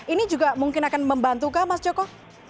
ini juga mungkin akan membantukah mas joko